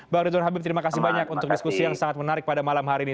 bang ridwan habib terima kasih banyak untuk diskusi yang sangat menarik pada malam hari ini